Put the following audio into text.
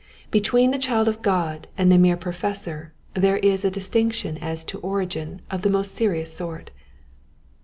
Between the child of God and the mere professor there is a distinction as to origin of the most serious sort.